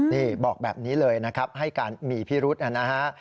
นี่บอกแบบนี้เลยนะครับให้การมีพิรุษนะฮะ